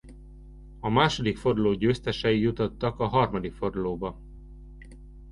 A második forduló győztesei jutottak a harmadik fordulóba.